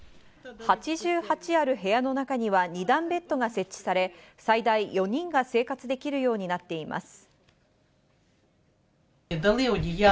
８８ある部屋の中には二段ベッドが設置され、最大４人が生活できるようになっています。